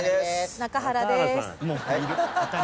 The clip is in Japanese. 中原です。